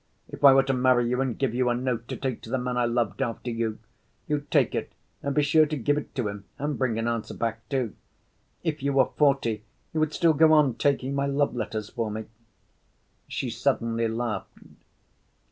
If I were to marry you and give you a note to take to the man I loved after you, you'd take it and be sure to give it to him and bring an answer back, too. If you were forty, you would still go on taking my love‐letters for me." She suddenly laughed.